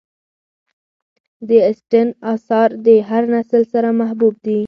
د اسټن آثار د هر نسل سره محبوب دي.